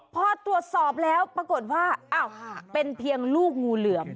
พอตรวจสอบแล้วปรากฏว่าอ้าวเป็นเพียงลูกงูเหลือม